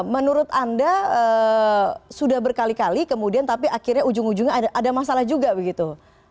menurut anda sudah berkali kali kemudian tapi akhirnya ujung ujungnya ada masalah juga begitu